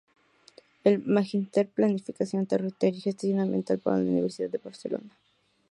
Es magister en Planificación Territorial y Gestión Ambiental por la Universidad de Barcelona.